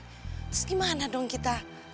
terus gimana dong kita